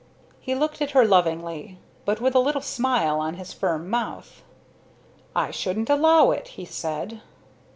He looked at her lovingly, but with a little smile on his firm mouth. "I shouldn't allow it," he said.